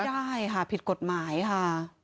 ได้ค่ะผิดกฎหมายค่ะ